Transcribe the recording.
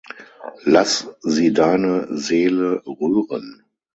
Lass sie deine Seele rühren.